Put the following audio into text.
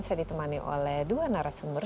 saya ditemani oleh dua narasumber